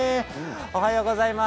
おはようございます。